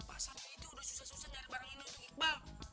pak semin itu udah susah susah nyari barang lain untuk iqbal